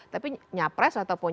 tapi nyapres ataupun